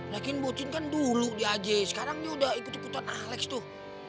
lakin bocin kan dulu di aj sekarang dia udah ikut ikutin alex tuh